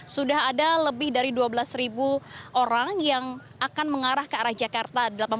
sudah ada lebih dari dua belas orang yang akan mengarah ke arah jakarta